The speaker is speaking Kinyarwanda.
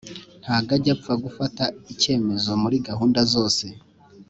ntago ajya apfa gufata ikemezo muri gahunda zose